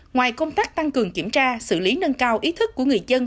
ngoài công tác tăng cường kiểm tra xử lý nâng cao ý thức của người dân